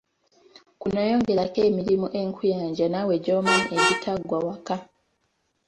Kuno yongerako emirimu enkuyanja naawe gy'omanyi egitaggwa waka.